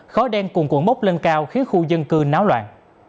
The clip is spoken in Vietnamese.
khói đen cuồn cuộn bốc lên cao khiến khu dân cư náo loạn